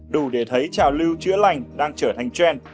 đủ để thấy trào lưu chữa lành đang trở thành trend